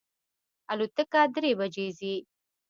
الوتکه درې بجی ځي